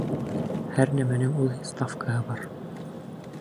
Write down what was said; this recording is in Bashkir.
Һәр нәмәнең үҙ ставкаһы бар.